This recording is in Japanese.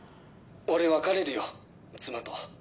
俺、別れるよ、妻と。